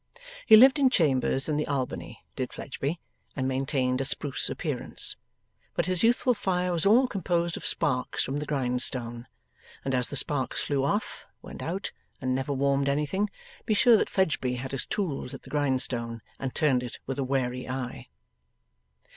He lived in chambers in the Albany, did Fledgeby, and maintained a spruce appearance. But his youthful fire was all composed of sparks from the grindstone; and as the sparks flew off, went out, and never warmed anything, be sure that Fledgeby had his tools at the grindstone, and turned it with a wary eye.